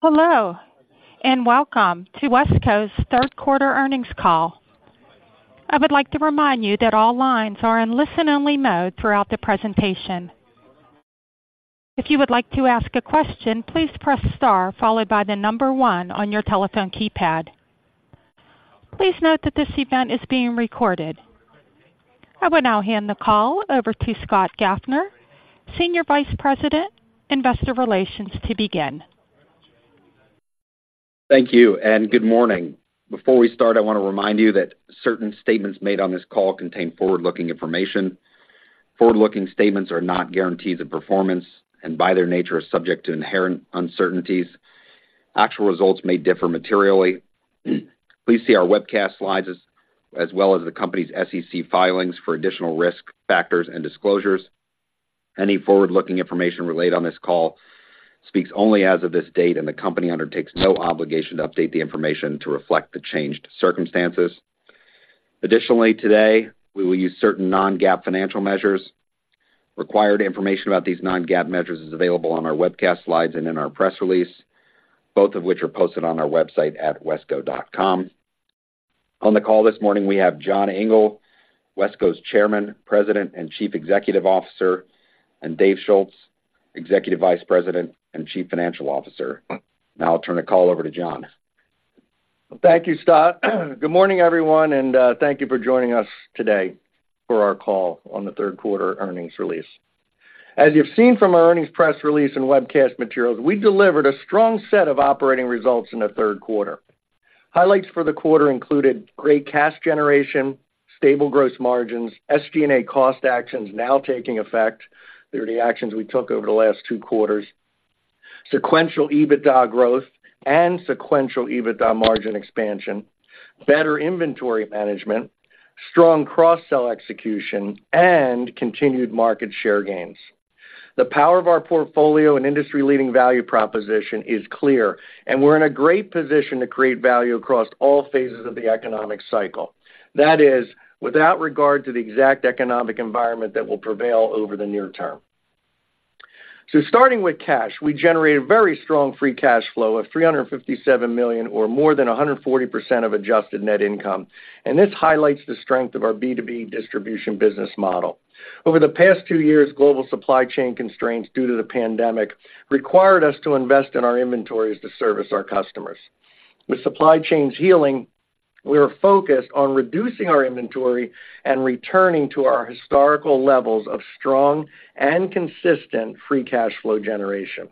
Hello, and welcome to Wesco's third quarter earnings call. I would like to remind you that all lines are in listen-only mode throughout the presentation. If you would like to ask a question, please press star followed by the number one on your telephone keypad. Please note that this event is being recorded. I will now hand the call over to Scott Gaffner, Senior Vice President, Investor Relations, to begin. Thank you, and good morning. Before we start, I want to remind you that certain statements made on this call contain forward-looking information. Forward-looking statements are not guarantees of performance, and by their nature, are subject to inherent uncertainties. Actual results may differ materially. Please see our webcast slides as well as the company's SEC filings for additional risk factors and disclosures. Any forward-looking information relayed on this call speaks only as of this date, and the company undertakes no obligation to update the information to reflect the changed circumstances. Additionally, today, we will use certain non-GAAP financial measures. Required information about these non-GAAP measures is available on our webcast slides and in our press release, both of which are posted on our website at wesco.com. On the call this morning, we have John Engel, Wesco's Chairman, President, and Chief Executive Officer, and Dave Schulz, Executive Vice President and Chief Financial Officer. Now I'll turn the call over to John. Thank you, Scott. Good morning, everyone, and thank you for joining us today for our call on the third quarter earnings release. As you've seen from our earnings press release and webcast materials, we delivered a strong set of operating results in the third quarter. Highlights for the quarter included great cash generation, stable gross margins, SG&A cost actions now taking effect. They're the actions we took over the last two quarters. Sequential EBITDA growth and sequential EBITDA margin expansion, better inventory management, strong cross-sell execution, and continued market share gains. The power of our portfolio and industry-leading value proposition is clear, and we're in a great position to create value across all phases of the economic cycle. That is, without regard to the exact economic environment that will prevail over the near term. Starting with cash, we generated very strong free cash flow of $357 million, or more than 140% of adjusted net income, and this highlights the strength of our B2B distribution business model. Over the past two years, global supply chain constraints due to the pandemic required us to invest in our inventories to service our customers. With supply chains healing, we are focused on reducing our inventory and returning to our historical levels of strong and consistent free cash flow generation.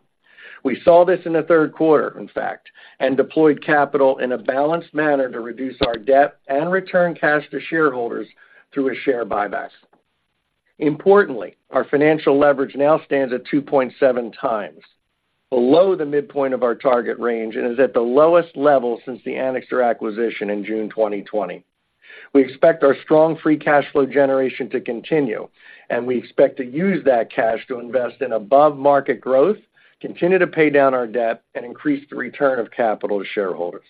We saw this in the third quarter, in fact, and deployed capital in a balanced manner to reduce our debt and return cash to shareholders through a share buyback. Importantly, our financial leverage now stands at 2.7x, below the midpoint of our target range and is at the lowest level since the Anixter acquisition in June 2020. We expect our strong free cash flow generation to continue, and we expect to use that cash to invest in above-market growth, continue to pay down our debt, and increase the return of capital to shareholders.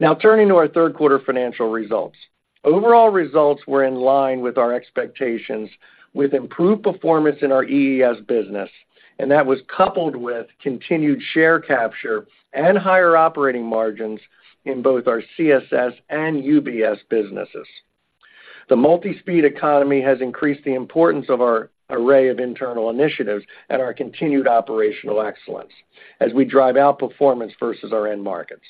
Now, turning to our third quarter financial results. Overall results were in line with our expectations, with improved performance in our EES business, and that was coupled with continued share capture and higher operating margins in both our CSS and UBS businesses. The multi-speed economy has increased the importance of our array of internal initiatives and our continued operational excellence as we drive outperformance versus our end markets.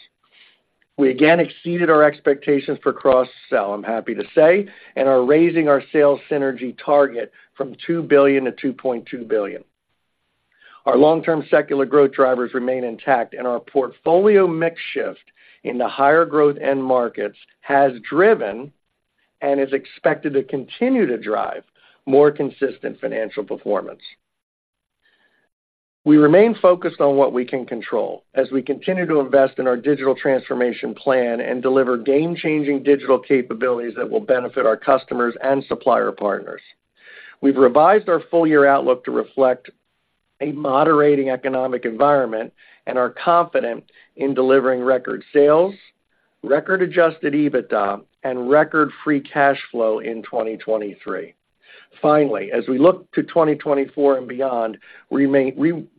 We again exceeded our expectations for cross-sell, I'm happy to say, and are raising our sales synergy target from $2 billion-$2.2 billion. Our long-term secular growth drivers remain intact, and our portfolio mix shift in the higher growth end markets has driven and is expected to continue to drive more consistent financial performance. We remain focused on what we can control as we continue to invest in our digital transformation plan and deliver game-changing digital capabilities that will benefit our customers and supplier partners. We've revised our full-year outlook to reflect a moderating economic environment and are confident in delivering record sales, record Adjusted EBITDA, and record free cash flow in 2023. Finally, as we look to 2024 and beyond, we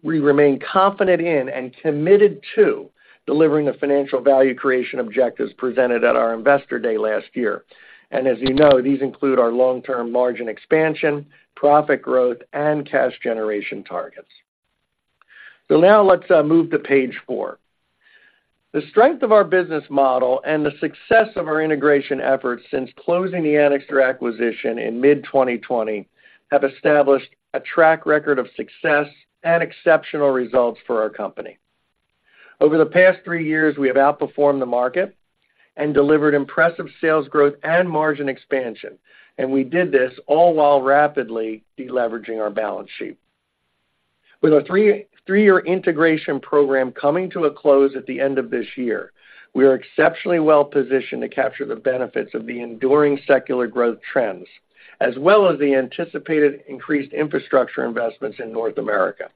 remain confident in and committed to delivering the financial value creation objectives presented at our Investor Day last year. And as you know, these include our long-term margin expansion, profit growth, and cash generation targets. So now let's move to page four. The strength of our business model and the success of our integration efforts since closing the Anixter acquisition in mid-2020 have established a track record of success and exceptional results for our company. Over the past three years, we have outperformed the market and delivered impressive sales growth and margin expansion, and we did this all while rapidly deleveraging our balance sheet. With our three-year integration program coming to a close at the end of this year, we are exceptionally well positioned to capture the benefits of the enduring secular growth trends, as well as the anticipated increased infrastructure investments in North America.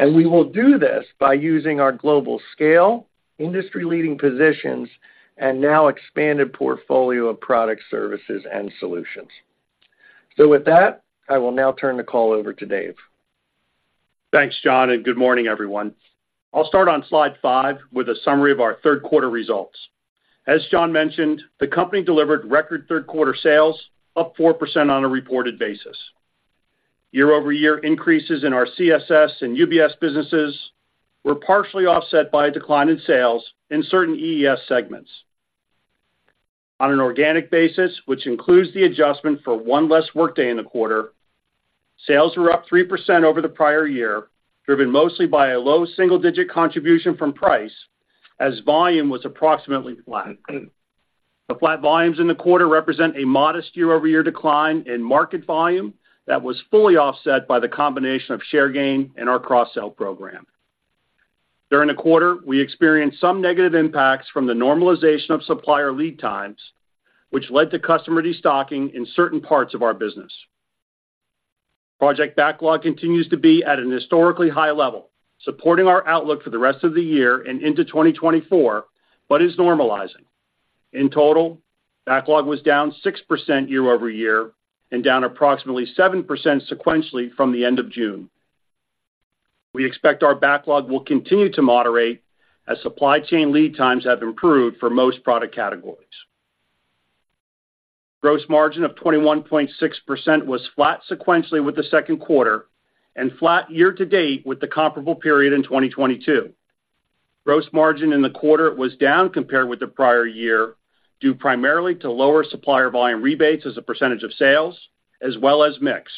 We will do this by using our global scale, industry-leading positions, and now expanded portfolio of product services and solutions. With that, I will now turn the call over to Dave. Thanks, John, and good morning, everyone. I'll start on Slide 5 with a summary of our third quarter results. As John mentioned, the company delivered record third-quarter sales, up 4% on a reported basis. Year-over-year increases in our CSS and UBS businesses were partially offset by a decline in sales in certain EES segments. On an organic basis, which includes the adjustment for one less workday in the quarter, sales were up 3% over the prior year, driven mostly by a low single-digit contribution from price, as volume was approximately flat. The flat volumes in the quarter represent a modest year-over-year decline in market volume that was fully offset by the combination of share gain and our cross-sell program. During the quarter, we experienced some negative impacts from the normalization of supplier lead times, which led to customer destocking in certain parts of our business. Project backlog continues to be at a historically high level, supporting our outlook for the rest of the year and into 2024, but is normalizing. In total, backlog was down 6% year-over-year and down approximately 7% sequentially from the end of June. We expect our backlog will continue to moderate as supply chain lead times have improved for most product categories. Gross margin of 21.6% was flat sequentially with the second quarter and flat year-to-date with the comparable period in 2022. Gross margin in the quarter was down compared with the prior year, due primarily to lower supplier volume rebates as a percentage of sales as well as mix.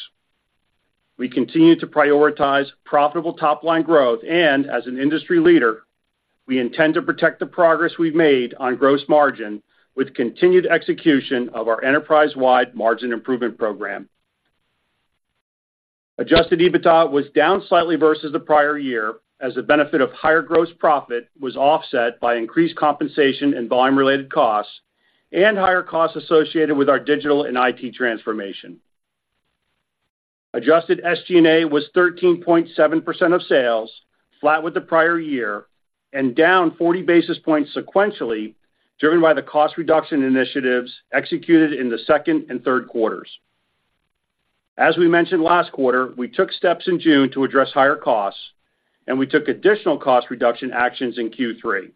We continue to prioritize profitable top-line growth, and as an industry leader, we intend to protect the progress we've made on gross margin with continued execution of our enterprise-wide margin improvement program. Adjusted EBITDA was down slightly versus the prior year, as the benefit of higher gross profit was offset by increased compensation and volume-related costs and higher costs associated with our digital and IT transformation. Adjusted SG&A was 13.7% of sales, flat with the prior year and down 40 basis points sequentially, driven by the cost reduction initiatives executed in the second and third quarters. As we mentioned last quarter, we took steps in June to address higher costs, and we took additional cost reduction actions in Q3.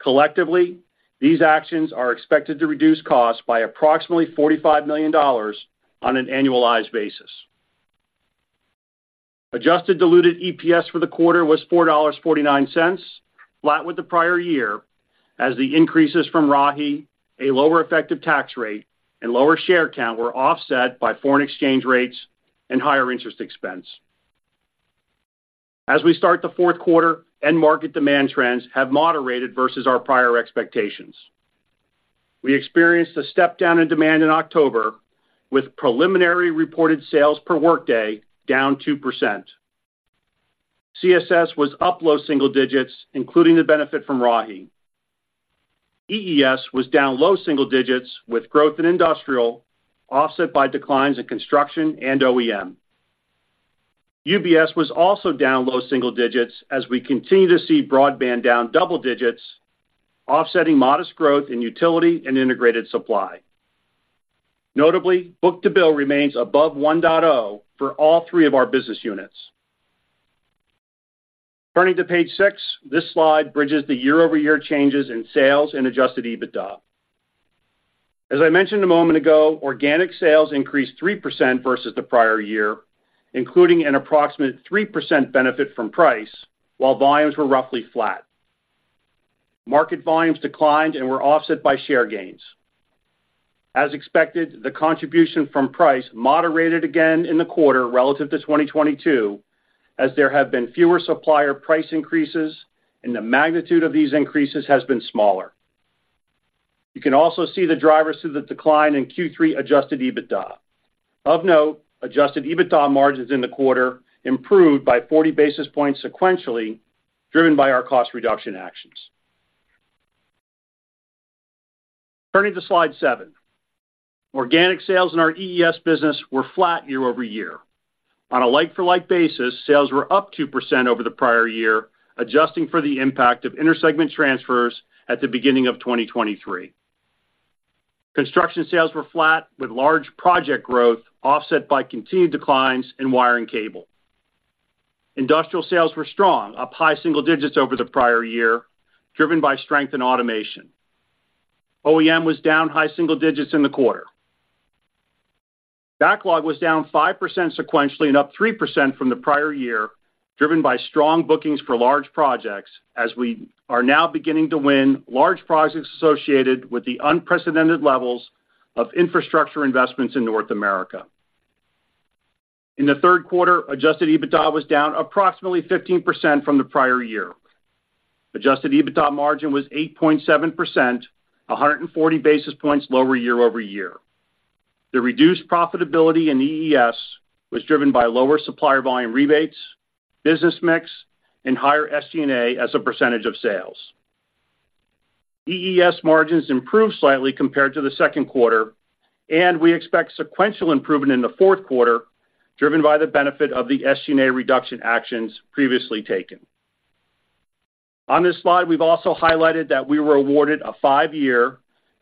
Collectively, these actions are expected to reduce costs by approximately $45 million on an annualized basis. Adjusted diluted EPS for the quarter was $4.49, flat with the prior year, as the increases from Rahi, a lower effective tax rate, and lower share count were offset by foreign exchange rates and higher interest expense. As we start the fourth quarter, end market demand trends have moderated versus our prior expectations. We experienced a step down in demand in October, with preliminary reported sales per workday down 2%. CSS was up low single digits, including the benefit from Rahi. EES was down low single digits, with growth in industrial offset by declines in construction and OEM. UBS was also down low single digits as we continue to see broadband down double digits, offsetting modest growth in utility and integrated supply. Notably, book-to-bill remains above 1.0 for all three of our business units. Turning to page 6, this slide bridges the year-over-year changes in sales and Adjusted EBITDA. As I mentioned a moment ago, organic sales increased 3% versus the prior year, including an approximate 3% benefit from price, while volumes were roughly flat. Market volumes declined and were offset by share gains. As expected, the contribution from price moderated again in the quarter relative to 2022, as there have been fewer supplier price increases, and the magnitude of these increases has been smaller. You can also see the drivers to the decline in Q3 adjusted EBITDA. Of note, adjusted EBITDA margins in the quarter improved by 40 basis points sequentially, driven by our cost reduction actions. Turning to Slide 7. Organic sales in our EES business were flat year-over-year. On a like-for-like basis, sales were up 2% over the prior year, adjusting for the impact of intersegment transfers at the beginning of 2023. Construction sales were flat, with large project growth offset by continued declines in wire and cable. Industrial sales were strong, up high single digits over the prior year, driven by strength in automation. OEM was down high single digits in the quarter. Backlog was down 5% sequentially and up 3% from the prior year, driven by strong bookings for large projects, as we are now beginning to win large projects associated with the unprecedented levels of infrastructure investments in North America. In the third quarter, adjusted EBITDA was down approximately 15% from the prior year. Adjusted EBITDA margin was 8.7%, 140 basis points lower year-over-year. The reduced profitability in EES was driven by lower supplier volume rebates, business mix, and higher SG&A as a percentage of sales. EES margins improved slightly compared to the second quarter, and we expect sequential improvement in the fourth quarter, driven by the benefit of the SG&A reduction actions previously taken. On this slide, we've also highlighted that we were awarded a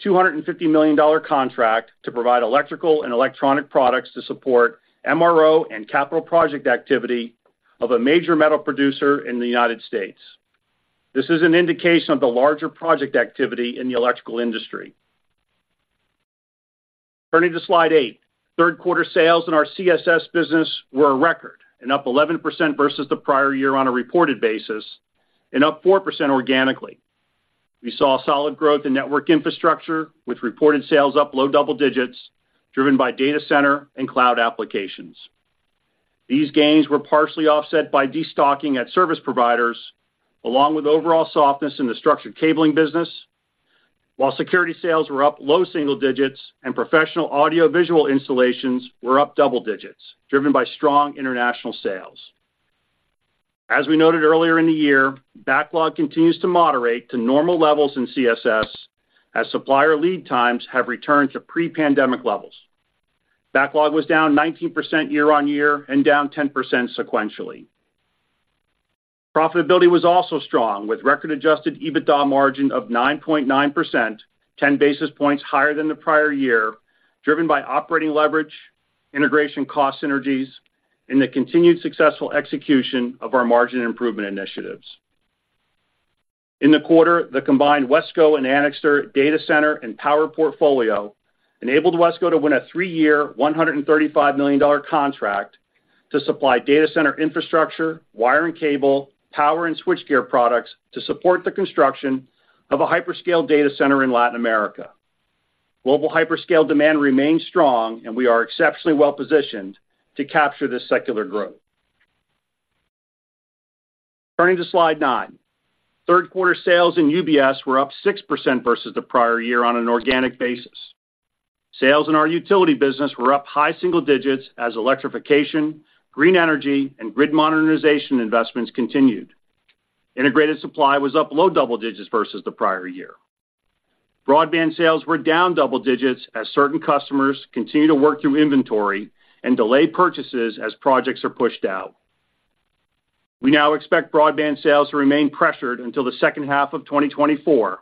five-year, $250 million contract to provide electrical and electronic products to support MRO and capital project activity of a major metal producer in the United States. This is an indication of the larger project activity in the electrical industry. Turning to Slide 8. Third quarter sales in our CSS business were a record and up 11% versus the prior year on a reported basis and up 4% organically. We saw solid growth in network infrastructure, with reported sales up low double digits, driven by data center and cloud applications. These gains were partially offset by destocking at service providers, along with overall softness in the structured cabling business, while security sales were up low single digits and professional audiovisual installations were up double digits, driven by strong international sales. As we noted earlier in the year, backlog continues to moderate to normal levels in CSS, as supplier lead times have returned to pre-pandemic levels. Backlog was down 19% year-on-year and down 10% sequentially. Profitability was also strong, with record adjusted EBITDA margin of 9.9%, 10 basis points higher than the prior year, driven by operating leverage, integration cost synergies, and the continued successful execution of our margin improvement initiatives. In the quarter, the combined Wesco and Anixter data center and power portfolio enabled Wesco to win a three-year, $135 million contract to supply data center infrastructure, wire and cable, power and switchgear products to support the construction of a hyperscale data center in Latin America. Global hyperscale demand remains strong, and we are exceptionally well positioned to capture this secular growth. Turning to Slide 9. Third quarter sales in UBS were up 6% versus the prior year on an organic basis. Sales in our utility business were up high single digits as electrification, green energy, and grid modernization investments continued. Integrated supply was up low double digits versus the prior year. Broadband sales were down double digits as certain customers continue to work through inventory and delay purchases as projects are pushed out. We now expect broadband sales to remain pressured until the second half of 2024,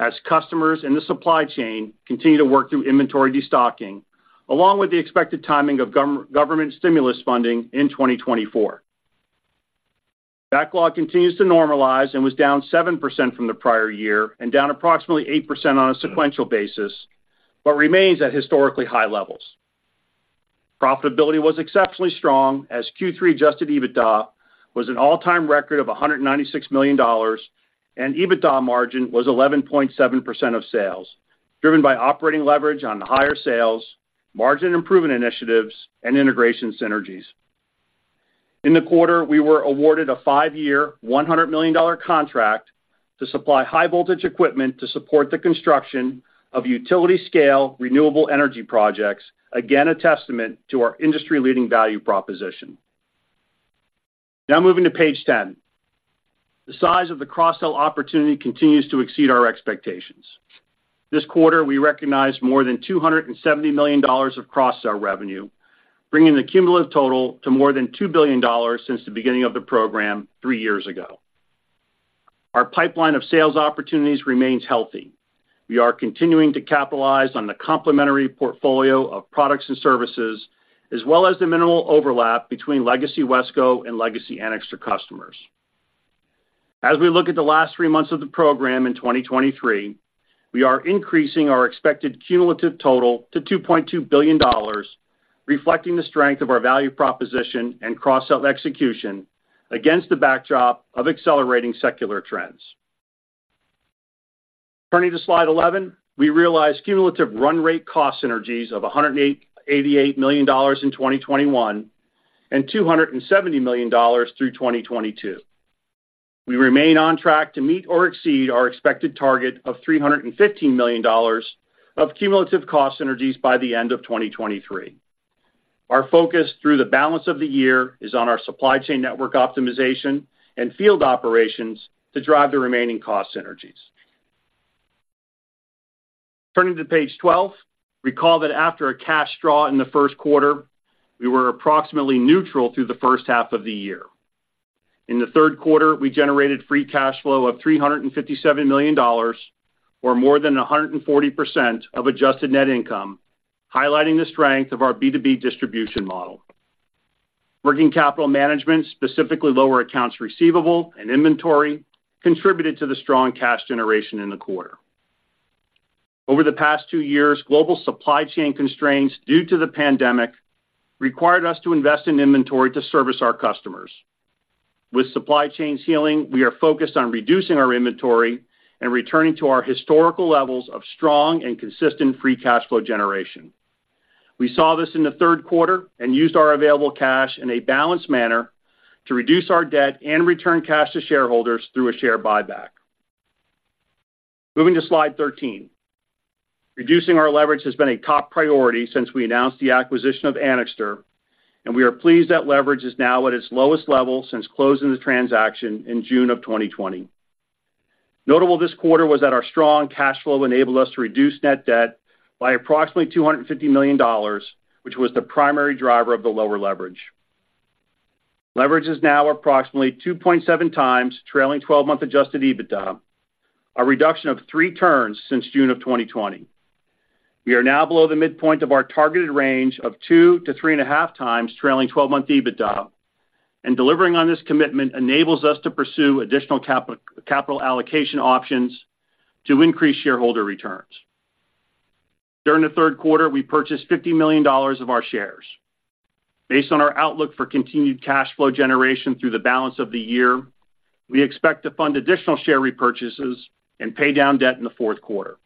as customers in the supply chain continue to work through inventory destocking, along with the expected timing of government stimulus funding in 2024. Backlog continues to normalize and was down 7% from the prior year and down approximately 8% on a sequential basis, but remains at historically high levels. Profitability was exceptionally strong, as Q3 adjusted EBITDA was an all-time record of $196 million, and EBITDA margin was 11.7% of sales, driven by operating leverage on the higher sales, margin improvement initiatives, and integration synergies. In the quarter, we were awarded a five-year, $100 million contract to supply high-voltage equipment to support the construction of utility-scale renewable energy projects, again, a testament to our industry-leading value proposition. Now moving to page 10. The size of the cross-sell opportunity continues to exceed our expectations. This quarter, we recognized more than $270 million of cross-sell revenue, bringing the cumulative total to more than $2 billion since the beginning of the program three years ago. Our pipeline of sales opportunities remains healthy. We are continuing to capitalize on the complementary portfolio of products and services, as well as the minimal overlap between legacy Wesco and legacy Anixter customers. As we look at the last three months of the program in 2023, we are increasing our expected cumulative total to $2.2 billion, reflecting the strength of our value proposition and cross-sell execution against the backdrop of accelerating secular trends. Turning to Slide 11. We realized cumulative run rate cost synergies of $88 million in 2021 and $270 million through 2022. We remain on track to meet or exceed our expected target of $315 million of cumulative cost synergies by the end of 2023. Our focus through the balance of the year is on our supply chain network optimization and field operations to drive the remaining cost synergies. Turning to page 12. Recall that after a cash draw in the first quarter, we were approximately neutral through the first half of the year. In the third quarter, we generated Free Cash Flow of $357 million or more than 140% of adjusted net income, highlighting the strength of our B2B Distribution model. Working capital management, specifically lower accounts receivable and inventory, contributed to the strong cash generation in the quarter. Over the past two years, global supply chain constraints due to the pandemic required us to invest in inventory to service our customers. With supply chains healing, we are focused on reducing our inventory and returning to our historical levels of strong and consistent free cash flow generation. We saw this in the third quarter and used our available cash in a balanced manner to reduce our debt and return cash to shareholders through a share buyback. Moving to Slide 13. Reducing our leverage has been a top priority since we announced the acquisition of Anixter, and we are pleased that leverage is now at its lowest level since closing the transaction in June 2020. Notable this quarter was that our strong cash flow enabled us to reduce net debt by approximately $250 million, which was the primary driver of the lower leverage. Leverage is now approximately 2.7x trailing 12-month Adjusted EBITDA, a reduction of three turns since June 2020. We are now below the midpoint of our targeted range of 2-3.5x trailing 12-month EBITDA, and delivering on this commitment enables us to pursue additional capital allocation options to increase shareholder returns. During the third quarter, we purchased $50 million of our shares. Based on our outlook for continued cash flow generation through the balance of the year, we expect to fund additional share repurchases and pay down debt in the fourth quarter.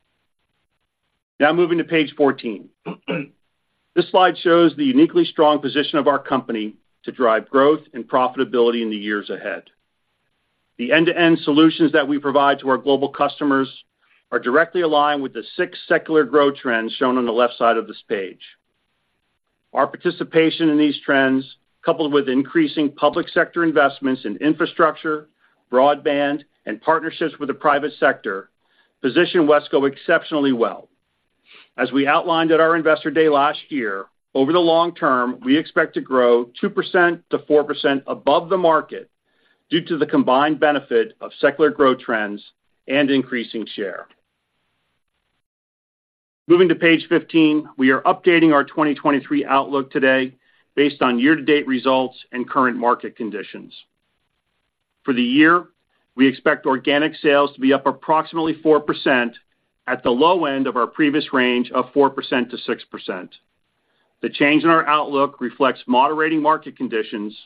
Now moving to page 14. This slide shows the uniquely strong position of our company to drive growth and profitability in the years ahead. The end-to-end solutions that we provide to our global customers are directly aligned with the 6 secular growth trends shown on the left side of this page. Our participation in these trends, coupled with increasing public sector investments in infrastructure, broadband, and partnerships with the private sector, position Wesco exceptionally well. As we outlined at our Investor Day last year, over the long term, we expect to grow 2%-4% above the market due to the combined benefit of secular growth trends and increasing share. Moving to page 15, we are updating our 2023 outlook today based on year-to-date results and current market conditions. For the year, we expect organic sales to be up approximately 4% at the low end of our previous range of 4%-6%. The change in our outlook reflects moderating market conditions,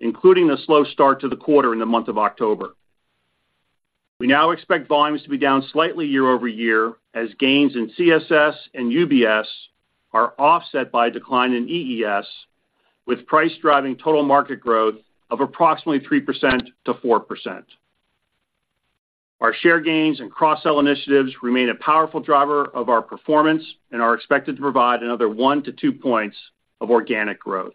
including a slow start to the quarter in the month of October. We now expect volumes to be down slightly year-over-year, as gains in CSS and UBS are offset by a decline in EES, with price driving total market growth of approximately 3%-4%. Our share gains and cross-sell initiatives remain a powerful driver of our performance and are expected to provide another 1-2 points of organic growth.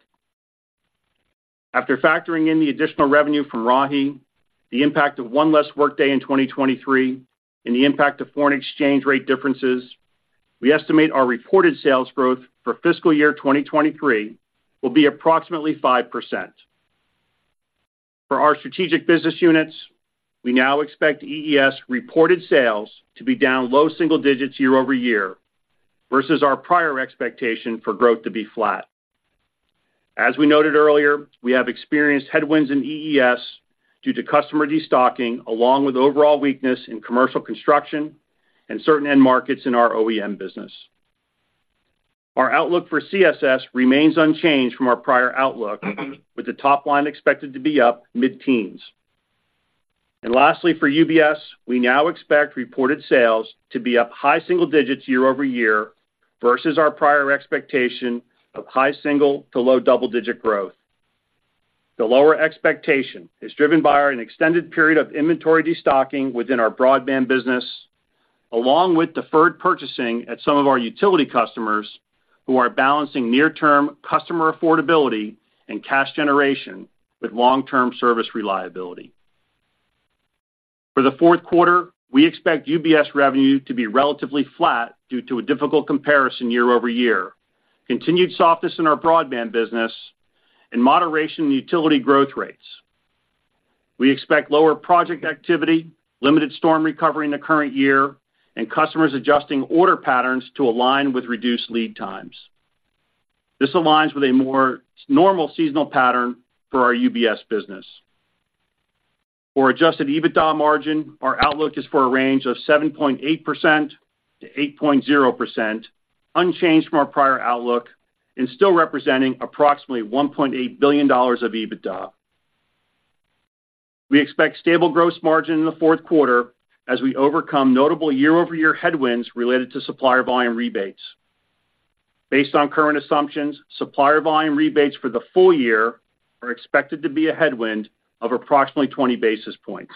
After factoring in the additional revenue from Rahi, the impact of one less workday in 2023, and the impact of foreign exchange rate differences, we estimate our reported sales growth for fiscal year 2023 will be approximately 5%. For our strategic business units, we now expect EES reported sales to be down low single digits year-over-year versus our prior expectation for growth to be flat. As we noted earlier, we have experienced headwinds in EES due to customer destocking, along with overall weakness in commercial construction and certain end markets in our OEM business. Our outlook for CSS remains unchanged from our prior outlook, with the top line expected to be up mid-teens. Lastly, for UBS, we now expect reported sales to be up high single digits year-over-year versus our prior expectation of high single to low double-digit growth. The lower expectation is driven by an extended period of inventory destocking within our broadband business, along with deferred purchasing at some of our utility customers, who are balancing near-term customer affordability and cash generation with long-term service reliability. For the fourth quarter, we expect UBS revenue to be relatively flat due to a difficult comparison year-over-year, continued softness in our broadband business, and moderation in utility growth rates. We expect lower project activity, limited storm recovery in the current year, and customers adjusting order patterns to align with reduced lead times. This aligns with a more normal seasonal pattern for our UBS business. For adjusted EBITDA margin, our outlook is for a range of 7.8%-8.0%, unchanged from our prior outlook and still representing approximately $1.8 billion of EBITDA. We expect stable gross margin in the fourth quarter as we overcome notable year-over-year headwinds related to supplier volume rebates. Based on current assumptions, supplier volume rebates for the full year are expected to be a headwind of approximately 20 basis points.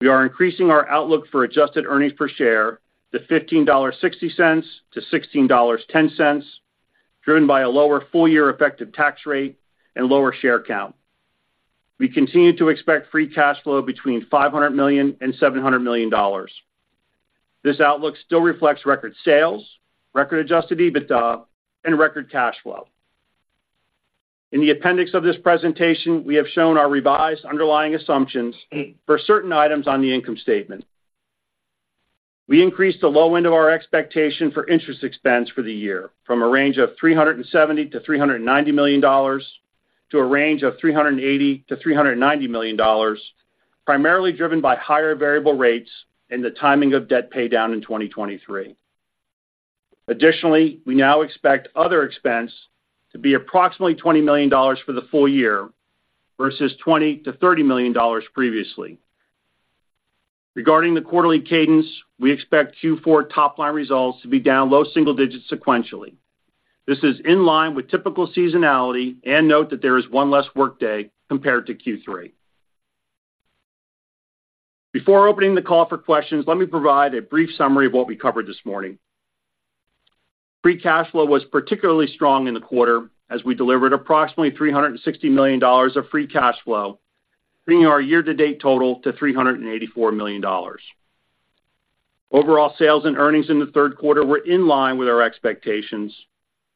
We are increasing our outlook for adjusted earnings per share to $15.60-$16.10, driven by a lower full-year effective tax rate and lower share count. We continue to expect free cash flow between $500 million and $700 million. This outlook still reflects record sales, record Adjusted EBITDA, and record cash flow. In the appendix of this presentation, we have shown our revised underlying assumptions for certain items on the income statement. We increased the low end of our expectation for interest expense for the year, from a range of $370 million-$390 million to a range of $380 million-$390 million, primarily driven by higher variable rates and the timing of debt paydown in 2023. Additionally, we now expect other expense to be approximately $20 million for the full year versus $20 million-$30 million previously. Regarding the quarterly cadence, we expect Q4 top-line results to be down low single digits sequentially. This is in line with typical seasonality and note that there is one less workday compared to Q3. Before opening the call for questions, let me provide a brief summary of what we covered this morning. Free cash flow was particularly strong in the quarter, as we delivered approximately $360 million of free cash flow, bringing our year-to-date total to $384 million. Overall sales and earnings in the third quarter were in line with our expectations,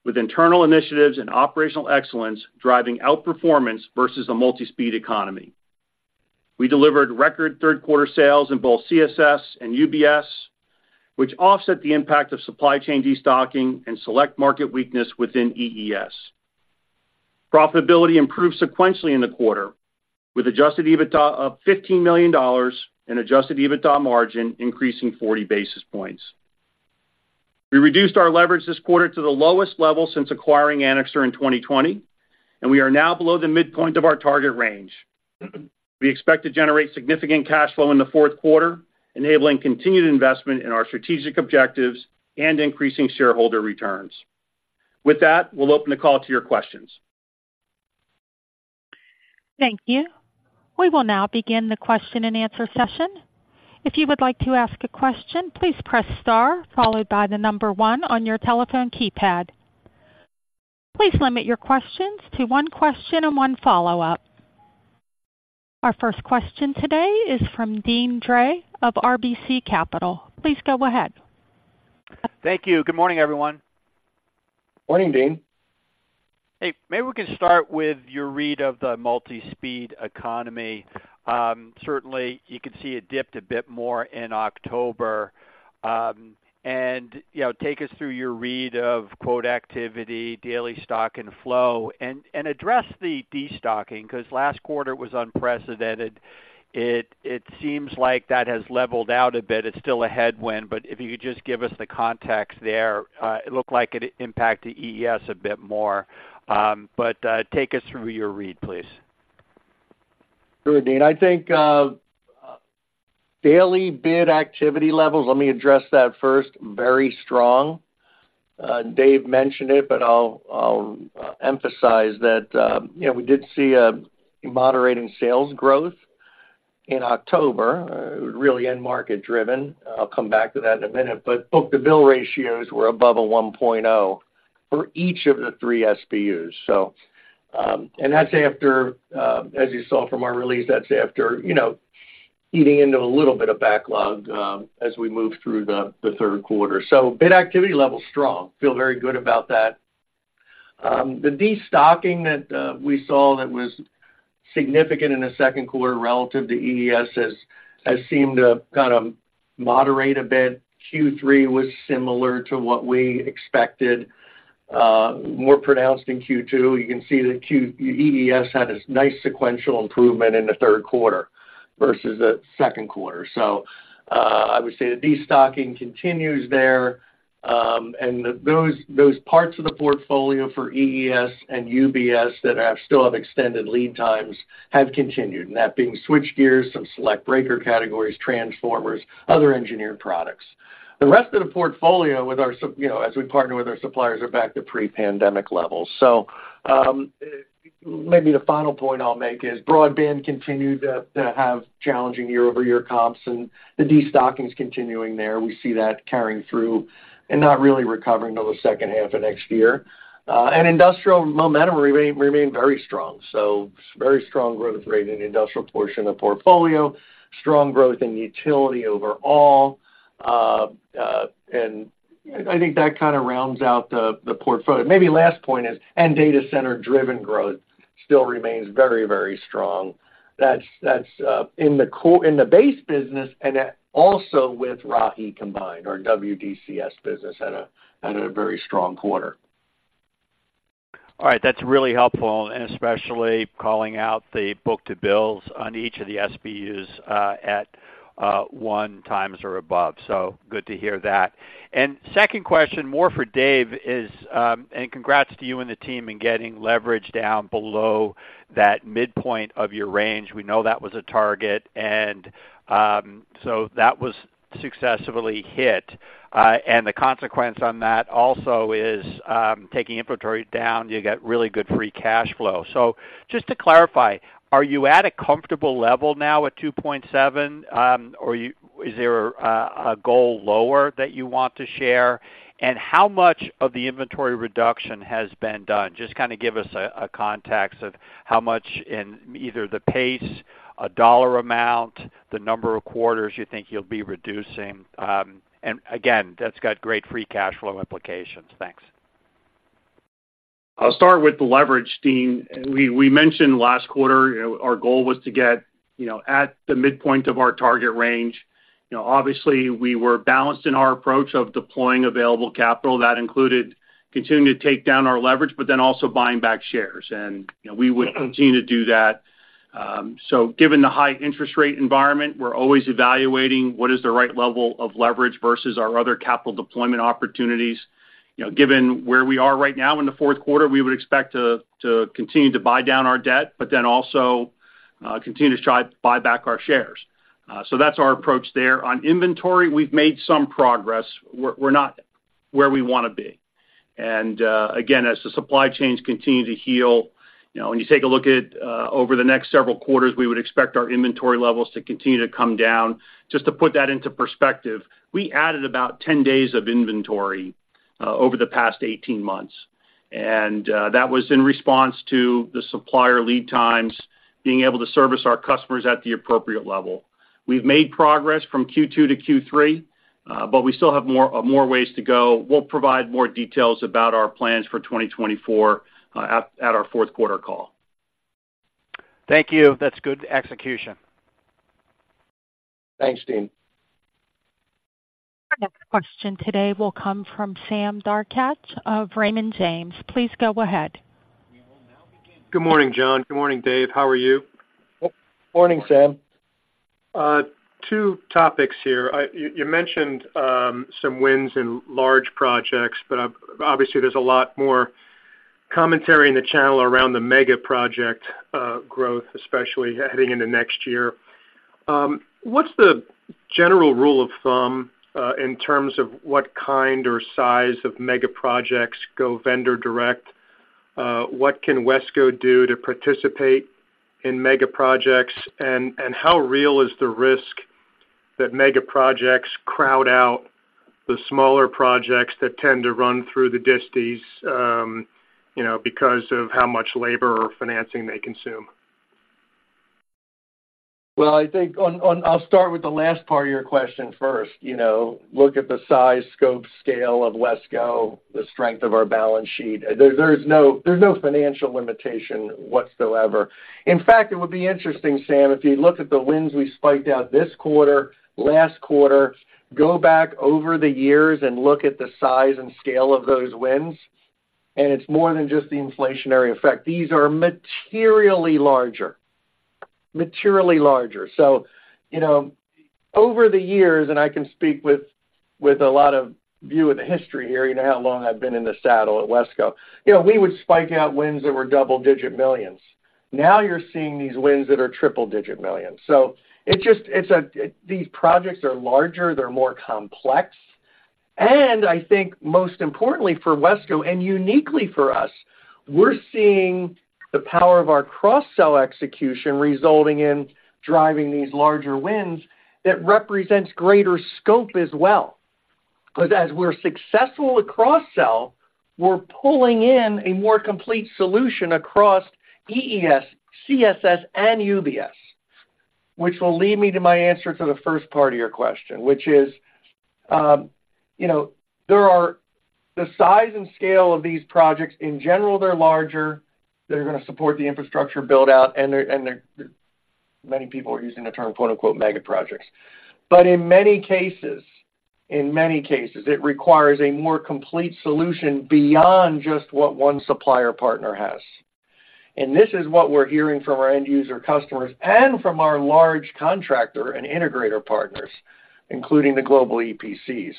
with internal initiatives and operational excellence driving outperformance versus the multi-speed economy. We delivered record third quarter sales in both CSS and UBS, which offset the impact of supply chain destocking and select market weakness within EES. Profitability improved sequentially in the quarter, with Adjusted EBITDA of $15 million and Adjusted EBITDA margin increasing 40 basis points. We reduced our leverage this quarter to the lowest level since acquiring Anixter in 2020, and we are now below the midpoint of our target range. We expect to generate significant cash flow in the fourth quarter, enabling continued investment in our strategic objectives and increasing shareholder returns. With that, we'll open the call to your questions. Thank you. We will now begin the question-and-answer session. If you would like to ask a question, please press star, followed by the number one on your telephone keypad. Please limit your questions to one question and one follow-up. Our first question today is from Deane Dray of RBC Capital. Please go ahead. Thank you. Good morning, everyone. Morning, Deane. Hey, maybe we can start with your read of the multi-speed economy. Certainly, you could see it dipped a bit more in October. And, you know, take us through your read of quote activity, daily stock and flow, and address the destocking, 'cause last quarter was unprecedented. It seems like that has leveled out a bit. It's still a headwind, but if you could just give us the context there. It looked like it impacted EES a bit more, but take us through your read, please. Sure, Deane. I think, daily bid activity levels, let me address that first, very strong. Dave mentioned it, but I'll, I'll emphasize that, you know, we did see a moderating sales growth in October, really end-market driven. I'll come back to that in a minute. But book-to-bill ratios were above 1.0 for each of the three SBUs. So, and that's after, as you saw from our release, that's after, you know, eating into a little bit of backlog, as we moved through the, the third quarter. So bid activity level, strong. Feel very good about that. The destocking that we saw that was significant in the second quarter relative to EES has, has seemed to kind of moderate a bit. Q3 was similar to what we expected, more pronounced in Q2. You can see that Q3 EES had a nice sequential improvement in the third quarter versus the second quarter. So, I would say the destocking continues there, and those parts of the portfolio for EES and UBS that still have extended lead times have continued, and that being switchgear, some select breaker categories, transformers, other engineered products. The rest of the portfolio, you know, as we partner with our suppliers, are back to pre-pandemic levels. So, maybe the final point I'll make is broadband continued to have challenging year-over-year comps, and the destocking is continuing there. We see that carrying through and not really recovering until the second half of next year. And industrial momentum remained very strong, so very strong growth rate in the industrial portion of the portfolio, strong growth in utility overall. And I think that kind of rounds out the, the portfolio. Maybe last point is, and data center-driven growth still remains very, very strong. That's in the base business and also with Rahi combined, our WDCS business had a very strong quarter. All right. That's really helpful, especially calling out the book-to-bills on each of the SBUs at 1x or above. Good to hear that. Second question, more for Dave, is, congrats to you and the team in getting leverage down below that midpoint of your range. We know that was a target, and that was successfully hit. The consequence on that also is, taking inventory down, you get really good free cash flow. Just to clarify, are you at a comfortable level now at 2.7? Is there a goal lower that you want to share? How much of the inventory reduction has been done? Just kind of give us a context of how much in either the pace, a dollar amount, the number of quarters you think you'll be reducing. And again, that's got great free cash flow implications. Thanks. I'll start with the leverage, Deane. We mentioned last quarter, you know, our goal was to get, you know, at the midpoint of our target range. You know, obviously, we were balanced in our approach of deploying available capital. That included continuing to take down our leverage, but then also buying back shares, and, you know, we would continue to do that. So given the high interest rate environment, we're always evaluating what is the right level of leverage versus our other capital deployment opportunities. You know, given where we are right now in the fourth quarter, we would expect to continue to buy down our debt, but then also continue to try to buy back our shares. So that's our approach there. On inventory, we've made some progress. We're not where we wanna be. Again, as the supply chains continue to heal, you know, when you take a look at over the next several quarters, we would expect our inventory levels to continue to come down. Just to put that into perspective, we added about 10 days of inventory over the past 18 months. That was in response to the supplier lead times being able to service our customers at the appropriate level. We've made progress from Q2-Q3, but we still have more, more ways to go. We'll provide more details about our plans for 2024, at, at our fourth quarter call. Thank you. That's good execution. Thanks, Deane. Our next question today will come from Sam Darkatsh of Raymond James. Please go ahead. Good morning, John. Good morning, Dave. How are you? Morning, Sam. Two topics here. You mentioned some wins in large projects, but obviously, there's a lot more commentary in the channel around the mega project growth, especially heading into next year. What's the general rule of thumb in terms of what kind or size of mega projects go vendor direct? What can Wesco do to participate in mega projects? And how real is the risk that mega projects crowd out the smaller projects that tend to run through the distis, you know, because of how much labor or financing they consume? Well, I think I'll start with the last part of your question first. You know, look at the size, scope, scale of Wesco, the strength of our balance sheet. There's no financial limitation whatsoever. In fact, it would be interesting, Sam, if you look at the wins we spiked out this quarter, last quarter, go back over the years and look at the size and scale of those wins, and it's more than just the inflationary effect. These are materially larger, materially larger. So, you know, over the years, and I can speak with a lot of view of the history here, you know how long I've been in the saddle at Wesco, you know, we would spike out wins that were double-digit millions. Now, you're seeing these wins that are triple-digit millions. So it's these projects are larger, they're more complex. And I think most importantly for Wesco, and uniquely for us, we're seeing the power of our cross-sell execution resulting in driving these larger wins that represents greater scope as well. Because as we're successful with cross-sell, we're pulling in a more complete solution across EES, CSS, and UBS, which will lead me to my answer to the first part of your question, which is, you know, there are the size and scale of these projects, in general, they're larger, they're gonna support the infrastructure build-out, and they're many people are using the term, quote, unquote, "mega projects." But in many cases, it requires a more complete solution beyond just what one supplier partner has. And this is what we're hearing from our end user customers and from our large contractor and integrator partners, including the global EPCs.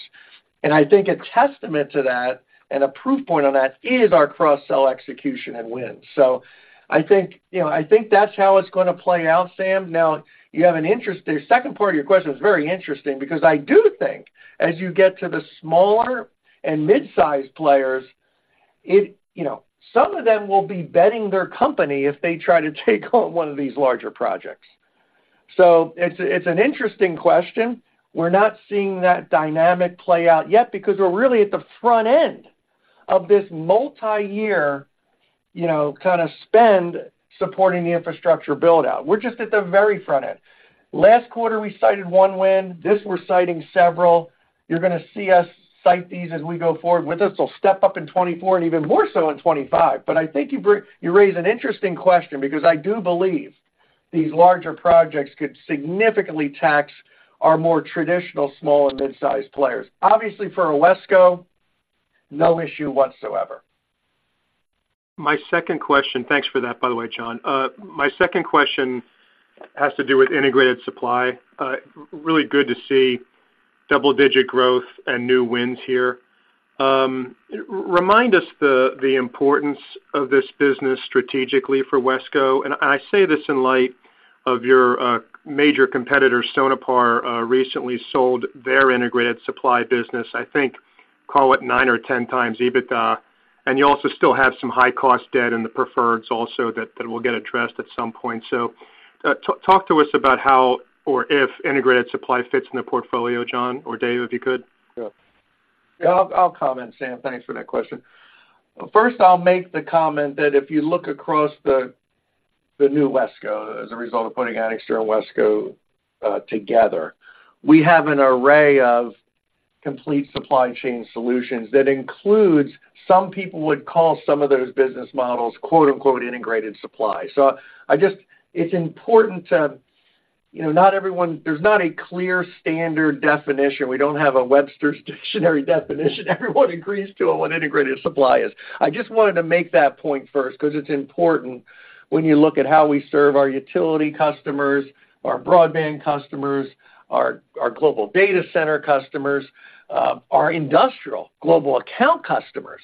And I think a testament to that and a proof point on that is our cross-sell execution and wins. So I think, you know, I think that's how it's gonna play out, Sam. Now, you have an interesting. The second part of your question is very interesting because I do think as you get to the smaller and mid-sized players, it, you know, some of them will be betting their company if they try to take on one of these larger projects. So it's, it's an interesting question. We're not seeing that dynamic play out yet because we're really at the front end of this multi-year, you know, kinda spend supporting the infrastructure build-out. We're just at the very front end. Last quarter, we cited one win. This, we're citing several. You're gonna see us cite these as we go forward with us. We'll step up in 2024 and even more so in 2025. But I think you bring- you raise an interesting question because I do believe these larger projects could significantly tax our more traditional small and mid-sized players. Obviously, for a Wesco, no issue whatsoever. My second question. Thanks for that, by the way, John. My second question has to do with integrated supply. Really good to see double-digit growth and new wins here. Remind us the importance of this business strategically for Wesco, and I say this in light of your major competitor, Sonepar, recently sold their integrated supply business, I think, call it 9 or 10x EBITDA, and you also still have some high-cost debt in the preferreds also, that will get addressed at some point. So, talk to us about how or if integrated supply fits in the portfolio, John or Dave, if you could. Yeah, I'll, I'll comment, Sam. Thanks for that question. First, I'll make the comment that if you look across the, the new Wesco, as a result of putting Anixter and Wesco together, we have an array of complete supply chain solutions that includes some people would call some of those business models, quote, unquote, "integrated supply." So I just, It's important to, you know, not everyone, there's not a clear standard definition. We don't have a Webster's Dictionary definition everyone agrees to on what integrated supply is. I just wanted to make that point first, 'cause it's important when you look at how we serve our utility customers, our broadband customers, our, our global data center customers, our industrial global account customers.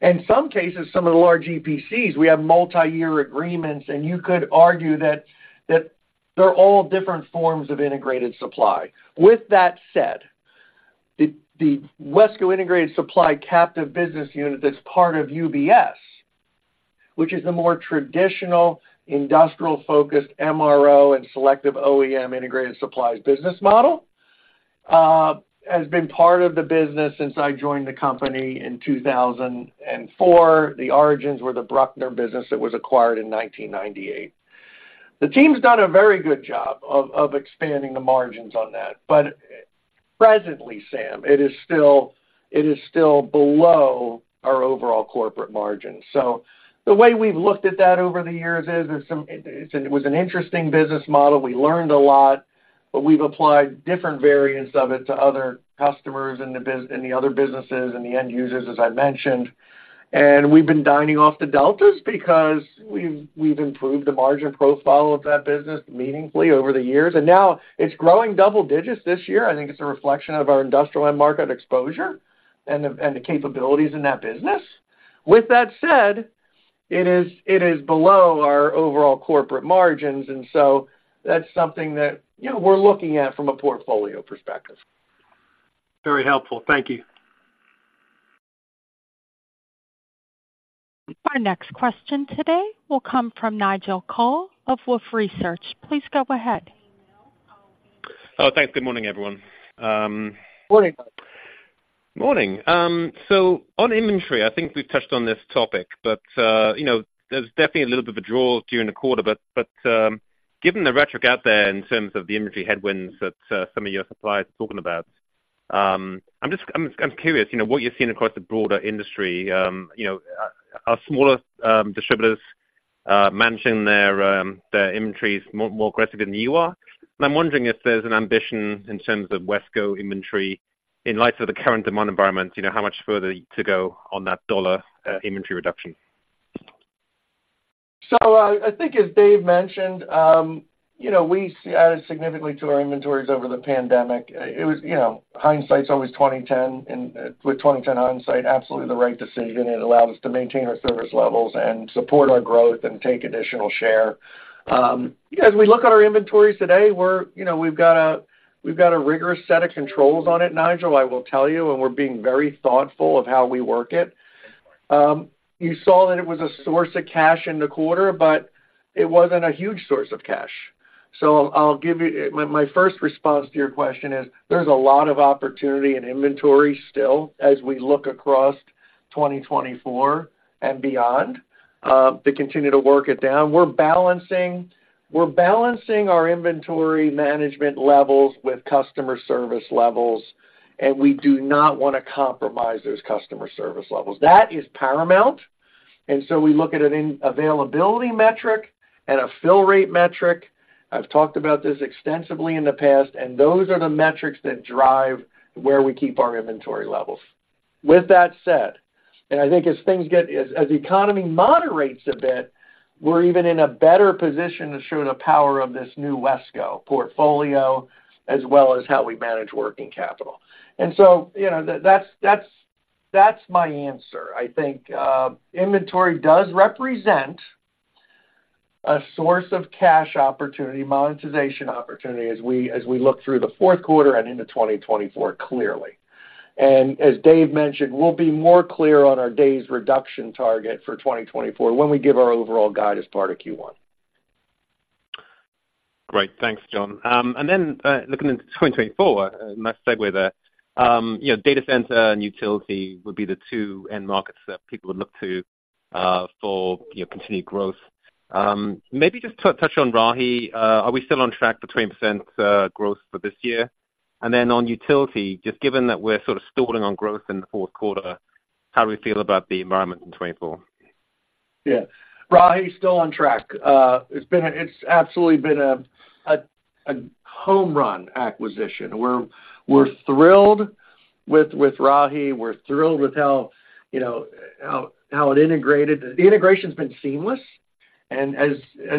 In some cases, some of the large EPCs, we have multi-year agreements, and you could argue that, that they're all different forms of integrated supply. With that said, the Wesco Integrated Supply captive business unit that's part of UBS, which is the more traditional industrial-focused MRO and selective OEM integrated supplies business model, has been part of the business since I joined the company in 2004. The origins were the Bruckner business that was acquired in 1998. The team's done a very good job of expanding the margins on that, but presently, Sam, it is still below our overall corporate margin. So the way we've looked at that over the years is. It was an interesting business model. We learned a lot, but we've applied different variants of it to other customers in the other businesses and the end users, as I mentioned. And we've been dining off the deltas because we've improved the margin profile of that business meaningfully over the years, and now it's growing double digits this year. I think it's a reflection of our industrial end market exposure and the capabilities in that business. With that said, it is below our overall corporate margins, and so that's something that, you know, we're looking at from a portfolio perspective. Very helpful. Thank you. Our next question today will come from Nigel Coe of Wolfe Research. Please go ahead. Oh, thanks. Good morning, everyone. Morning. Morning. So on inventory, I think we've touched on this topic, but, you know, there's definitely a little bit of a draw during the quarter. But, given the rhetoric out there in terms of the inventory headwinds that, some of your suppliers are talking about, I'm just curious, you know, what you're seeing across the broader industry. You know, are smaller distributors managing their inventories more aggressive than you are? And I'm wondering if there's an ambition in terms of Wesco inventory in light of the current demand environment, you know, how much further to go on that dollar inventory reduction? So I, I think as Dave mentioned, you know, we added significantly to our inventories over the pandemic. It was, you know, hindsight's always 20/10, and with 20/10 hindsight, absolutely the right decision. It allowed us to maintain our service levels and support our growth and take additional share. As we look at our inventories today, we're, you know, we've got a rigorous set of controls on it, Nigel, I will tell you, and we're being very thoughtful of how we work it. You saw that it was a source of cash in the quarter, but it wasn't a huge source of cash. So I'll give you. My first response to your question is, there's a lot of opportunity in inventory still as we look across 2024 and beyond, to continue to work it down. We're balancing, we're balancing our inventory management levels with customer service levels, and we do not wanna compromise those customer service levels. That is paramount, and so we look at an availability metric and a fill rate metric. I've talked about this extensively in the past, and those are the metrics that drive where we keep our inventory levels. With that said, and I think as things get, the economy moderates a bit, we're even in a better position to show the power of this new Wesco portfolio, as well as how we manage working capital. And so, you know, that's my answer. I think, inventory does represent a source of cash opportunity, monetization opportunity, as we look through the fourth quarter and into 2024, clearly. As Dave mentioned, we'll be more clear on our days reduction target for 2024 when we give our overall guide as part of Q1. Great. Thanks, John. And then, looking into 2024, nice segue there. You know, data center and utility would be the two end markets that people would look to for, you know, continued growth. Maybe just to touch on Rahi. Are we still on track for 20% growth for this year? And then on utility, just given that we're sort of stalling on growth in the fourth quarter, how do we feel about the environment in 2024? Yeah. Rahi's still on track. It's been a home run acquisition. We're thrilled with Rahi. We're thrilled with how, you know, it integrated. The integration's been seamless, and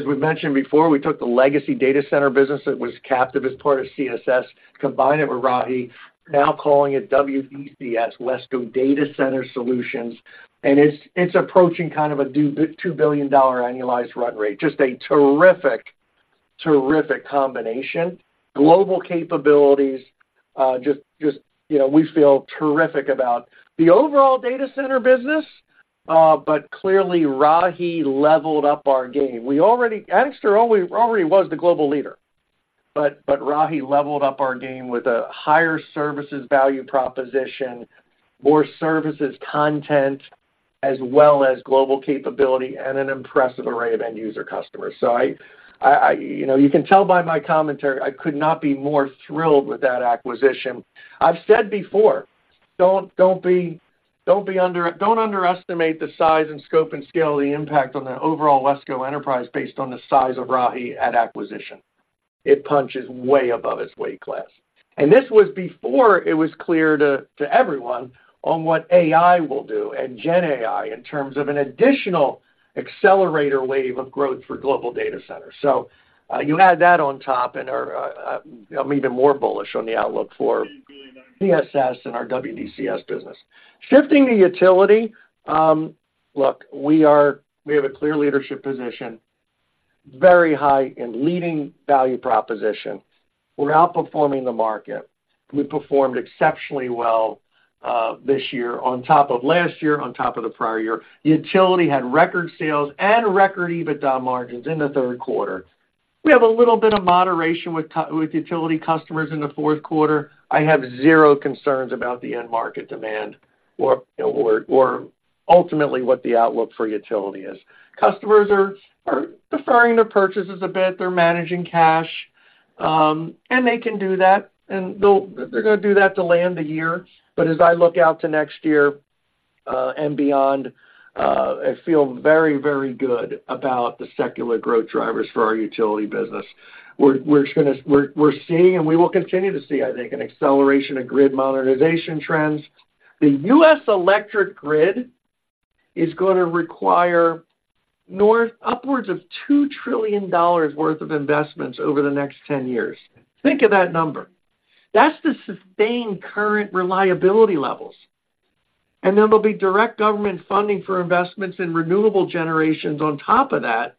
we've mentioned before, we took the legacy data center business that was captive as part of CSS, combined it with Rahi, now calling it WDCS, Wesco Data Center Solutions, and it's approaching kind of a $2 billion annualized run rate. Just a terrific combination. Global capabilities, you know, we feel terrific about the overall data center business, but clearly, Rahi leveled up our game. We already. Anixter already was the global leader, but Rahi leveled up our game with a higher services value proposition, more services content, as well as global capability and an impressive array of end user customers. So I, you know, you can tell by my commentary, I could not be more thrilled with that acquisition. I've said before, don't underestimate the size and scope and scale of the impact on the overall Wesco enterprise based on the size of Rahi at acquisition. It punches way above its weight class. And this was before it was clear to everyone on what AI will do and GenAI, in terms of an additional accelerator wave of growth for global data centers. So you add that on top, and I'm even more bullish on the outlook for CSS and our WDCS business. Shifting to utility, look, we have a clear leadership position. Very high in leading value proposition. We're outperforming the market. We performed exceptionally well, this year on top of last year, on top of the prior year. The utility had record sales and record EBITDA margins in the third quarter. We have a little bit of moderation with utility customers in the fourth quarter. I have zero concerns about the end market demand or ultimately, what the outlook for utility is. Customers are deferring their purchases a bit. They're managing cash, and they can do that, and they're gonna do that to land the year. But as I look out to next year, and beyond, I feel very, very good about the secular growth drivers for our utility business. We're just gonna see, and we will continue to see, I think, an acceleration of grid modernization trends. The U.S. electric grid is gonna require upwards of $2 trillion worth of investments over the next 10 years. Think of that number. That's to sustain current reliability levels, and then there'll be direct government funding for investments in renewable generations on top of that.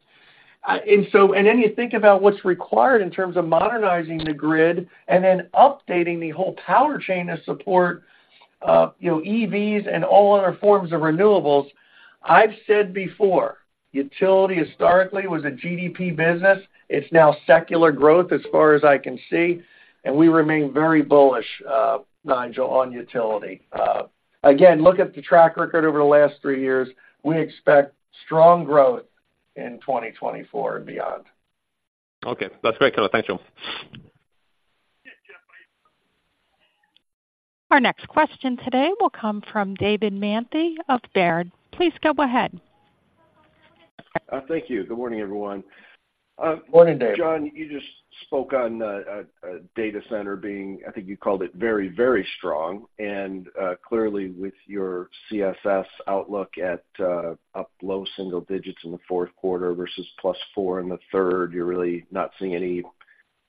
And so, and then you think about what's required in terms of modernizing the grid and then updating the whole power chain to support, you know, EVs and all other forms of renewables. I've said before, utility historically was a GDP business. It's now secular growth as far as I can see, and we remain very bullish, Nigel, on utility. Again, look at the track record over the last three years. We expect strong growth in 2024 and beyond. Okay, that's great, Dave. Thank you. Our next question today will come from David Manthey of Baird. Please go ahead. Thank you. Good morning, everyone. Morning, David. John, you just spoke on data center being, I think you called it very, very strong, and clearly, with your CSS outlook at up low single digits in the fourth quarter versus +4 in the third, you're really not seeing any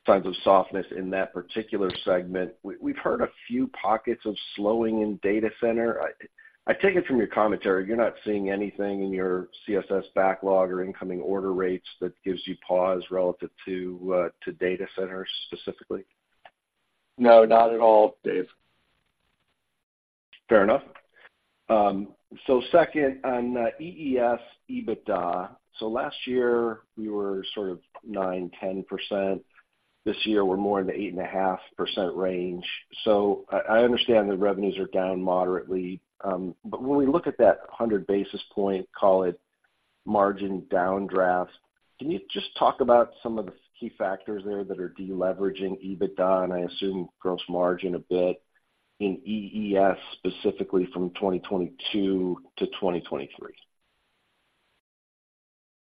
signs of softness in that particular segment. We've heard a few pockets of slowing in data center. I take it from your commentary, you're not seeing anything in your CSS backlog or incoming order rates that gives you pause relative to data centers specifically? No, not at all, David. Fair enough. So second, on, EES EBITDA. So last year, we were sort of 9%-10%. This year, we're more in the 8.5% range. So I, I understand the revenues are down moderately, but when we look at that 100 basis point, call it margin downdraft, can you just talk about some of the key factors there that are deleveraging EBITDA, and I assume gross margin a bit, in EES, specifically from 2022 to 2023?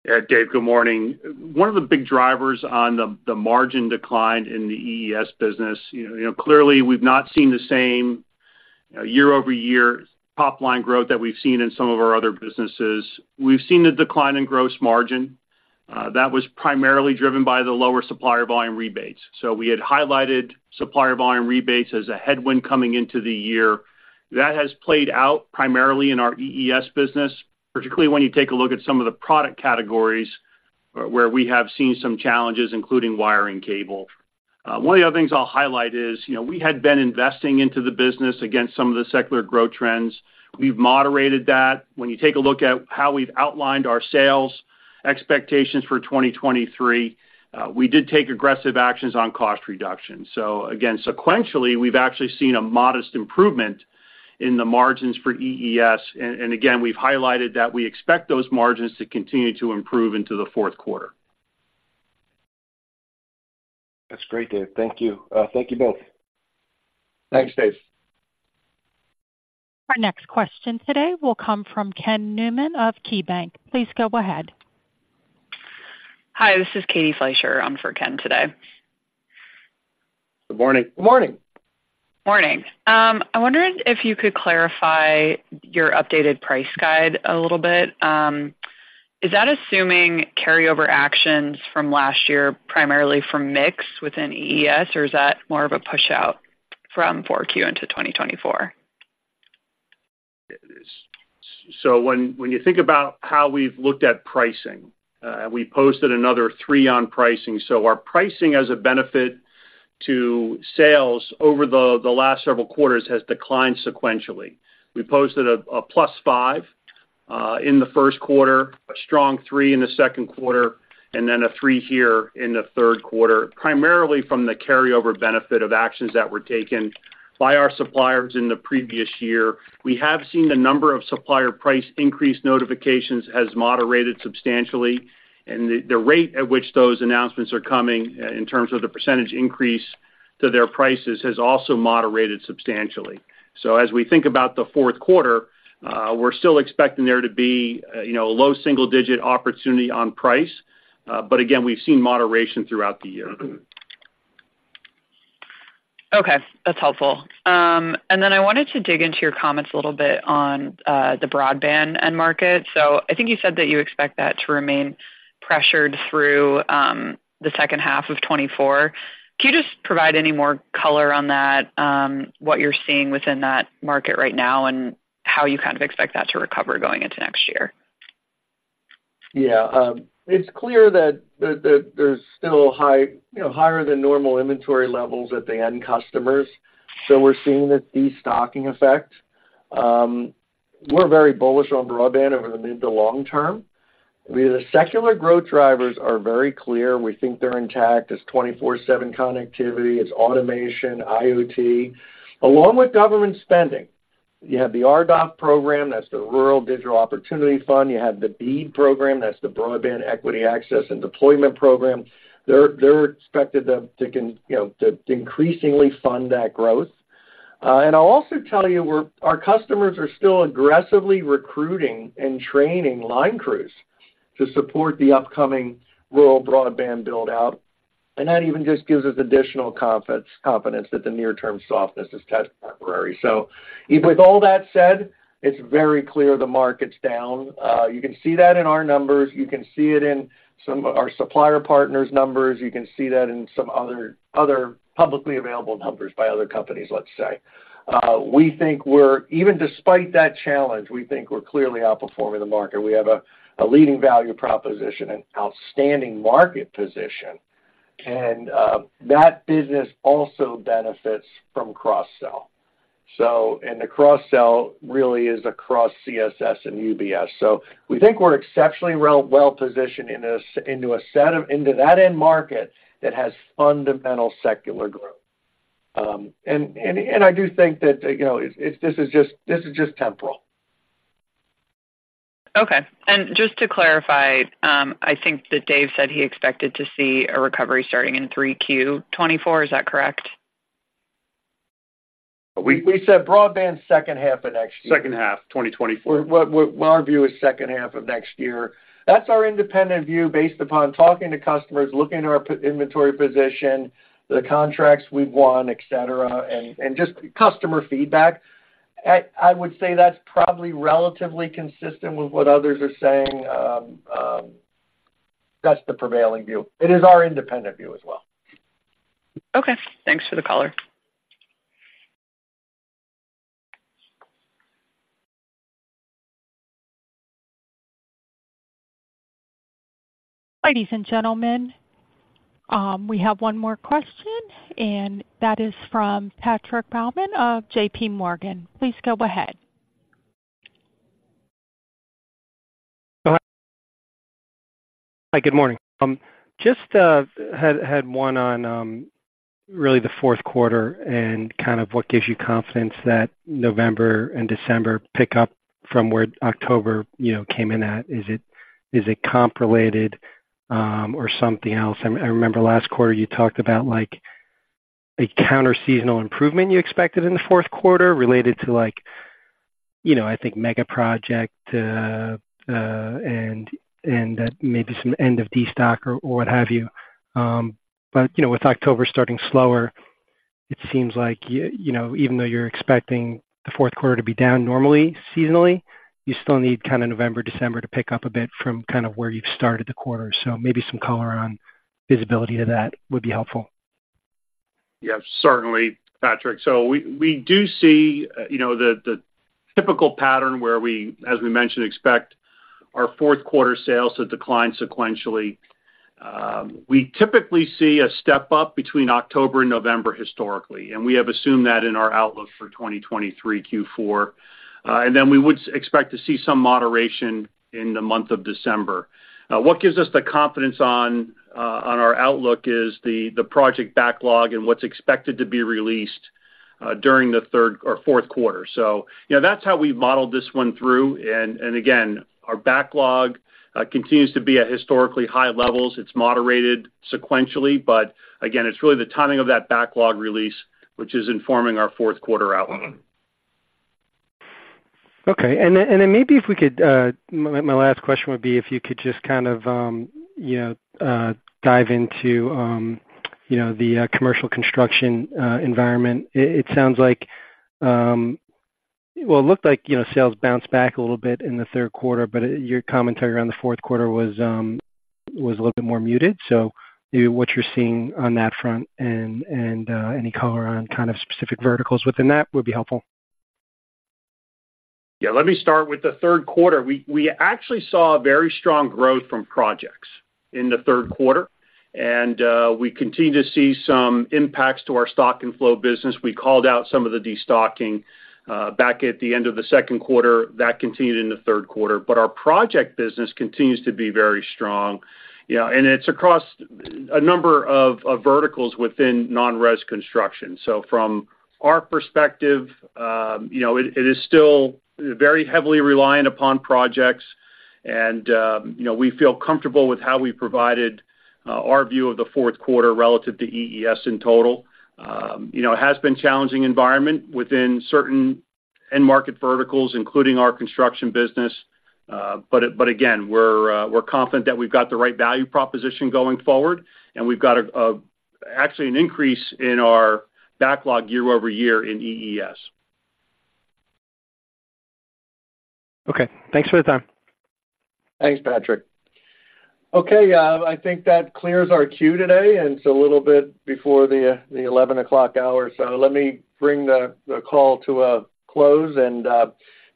Yeah, David, good morning. One of the big drivers on the margin decline in the EES business, you know, clearly, we've not seen the same year-over-year top-line growth that we've seen in some of our other businesses. We've seen a decline in gross margin that was primarily driven by the lower supplier volume rebates. So we had highlighted supplier volume rebates as a headwind coming into the year. That has played out primarily in our EES business, particularly when you take a look at some of the product categories where we have seen some challenges, including wire and cable. One of the other things I'll highlight is, you know, we had been investing into the business against some of the secular growth trends. We've moderated that. When you take a look at how we've outlined our sales expectations for 2023, we did take aggressive actions on cost reduction. So again, sequentially, we've actually seen a modest improvement in the margins for EES, and again, we've highlighted that we expect those margins to continue to improve into the fourth quarter. That's great, Dave. Thank you. Thank you both. Thanks, David. Our next question today will come from Ken Newman of KeyBanc. Please go ahead. Hi, this is Katie Fleischer on for Ken today. Good morning. Good morning. Morning. I'm wondering if you could clarify your updated price guidance a little bit. Is that assuming carryover actions from last year, primarily from mix within EES, or is that more of a push out from 4Q into 2024? So when you think about how we've looked at pricing, we posted another three on pricing. So our pricing as a benefit to sales over the last several quarters has declined sequentially. We posted a +5 in the first quarter, a strong three in the second quarter, and then a three here in the third quarter, primarily from the carryover benefit of actions that were taken by our suppliers in the previous year. We have seen the number of supplier price increase notifications has moderated substantially, and the rate at which those announcements are coming in terms of the percentage increase to their prices has also moderated substantially. So as we think about the fourth quarter, we're still expecting there to be, you know, a low single-digit opportunity on price, but again, we've seen moderation throughout the year. Okay, that's helpful. And then I wanted to dig into your comments a little bit on the broadband end market. So I think you said that you expect that to remain pressured through the second half of 2024. Can you just provide any more color on that, what you're seeing within that market right now and how you kind of expect that to recover going into next year? Yeah, it's clear that there's still high, you know, higher than normal inventory levels at the end customers. So we're seeing this destocking effect. We're very bullish on broadband over the mid to long term. The secular growth drivers are very clear. We think they're intact. It's 24/7 connectivity, it's automation, IoT, along with government spending. You have the RDOF program, that's the Rural Digital Opportunity Fund. You have the BEAD program, that's the Broadband Equity Access and Deployment program. They're expected to, you know, increasingly fund that growth. And I'll also tell you, our customers are still aggressively recruiting and training line crews to support the upcoming rural broadband build-out, and that even just gives us additional confidence that the near-term softness is temporary. So with all that said, it's very clear the market's down. You can see that in our numbers. You can see it in some of our supplier partners' numbers. You can see that in some other publicly available numbers by other companies, let's say. We think we're even despite that challenge we think we're clearly outperforming the market. We have a leading value proposition and outstanding market position, and that business also benefits from cross-sell. So, and the cross-sell really is across CSS and UBS. So we think we're exceptionally well positioned into that end market that has fundamental secular growth. And I do think that, you know, it, this is just temporal. Okay. And just to clarify, I think that Dave said he expected to see a recovery starting in 3Q 2024. Is that correct? We said broadband, second half of next year. Second half, 2024. Well, well, our view is second half of next year. That's our independent view, based upon talking to customers, looking at our inventory position, the contracts we've won, et cetera, and just customer feedback. I would say that's probably relatively consistent with what others are saying. That's the prevailing view. It is our independent view as well. Okay, thanks for the color. Ladies and gentlemen, we have one more question, and that is from Patrick Baumann of JPMorgan. Please go ahead. Hi, good morning. Just had one on really the fourth quarter and kind of what gives you confidence that November and December pick up from where October, you know, came in at. Is it comp-related or something else? I remember last quarter you talked about, like, a counterseasonal improvement you expected in the fourth quarter, related to like, you know, I think mega project and maybe some end of destock or what have you. But you know, with October starting slower, it seems like, you know, even though you're expecting the fourth quarter to be down normally, seasonally, you still need kind of November, December to pick up a bit from kind of where you've started the quarter. So maybe some color on visibility to that would be helpful. Yes, certainly, Patrick. So we do see, you know, the typical pattern where we, as we mentioned, expect our fourth quarter sales to decline sequentially. We typically see a step-up between October and November, historically, and we have assumed that in our outlook for 2023 Q4. And then we would expect to see some moderation in the month of December. What gives us the confidence on our outlook is the project backlog and what's expected to be released during the third or fourth quarter. So, you know, that's how we've modeled this one through. And again, our backlog continues to be at historically high levels. It's moderated sequentially, but again, it's really the timing of that backlog release, which is informing our fourth quarter outlook. Okay, and then maybe if we could, my last question would be if you could just kind of, you know, dive into, you know, the commercial construction environment. It sounds like. Well, it looked like, you know, sales bounced back a little bit in the third quarter, but your commentary around the fourth quarter was a little bit more muted. So what you're seeing on that front and any color on kind of specific verticals within that would be helpful. Yeah, let me start with the third quarter. We actually saw very strong growth from projects in the third quarter, and we continue to see some impacts to our stock and flow business. We called out some of the destocking back at the end of the second quarter. That continued in the third quarter. But our project business continues to be very strong. Yeah, and it's across a number of verticals within non-res construction. So from our perspective, you know, it is still very heavily reliant upon projects, and you know, we feel comfortable with how we provided our view of the fourth quarter relative to EES in total. You know, it has been a challenging environment within certain end-market verticals, including our construction business. But again, we're confident that we've got the right value proposition going forward, and we've got actually an increase in our backlog year-over-year in EES. Okay, thanks for the time. Thanks, Patrick. Okay, I think that clears our queue today, and it's a little bit before the 11 o'clock hour. So let me bring the call to a close, and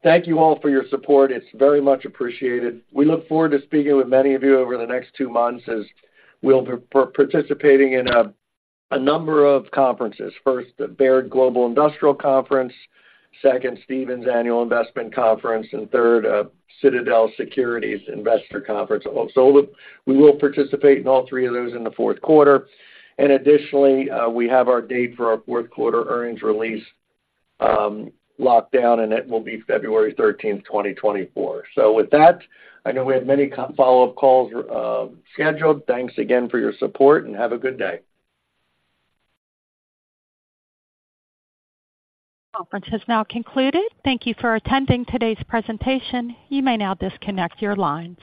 thank you all for your support. It's very much appreciated. We look forward to speaking with many of you over the next two months, as we'll be participating in a number of conferences. First, the Baird Global Industrial Conference, second, Stephens Annual Investment Conference, and third, Citadel Securities Investor Conference. So we will participate in all three of those in the fourth quarter. And additionally, we have our date for our fourth quarter earnings release locked down, and it will be February 13, 2024. So with that, I know we have many follow-up calls scheduled. Thanks again for your support, and have a good day. Conference has now concluded. Thank you for attending today's presentation. You may now disconnect your lines.